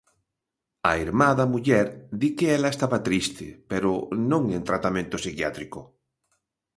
A irmá da muller di que ela estaba triste, pero non en tratamento psiquiátrico.